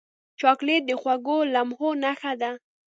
چاکلېټ د خوږو لمحو نښه ده.